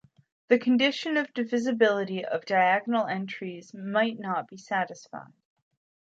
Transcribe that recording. The condition of divisibility of diagonal entries might not be satisfied.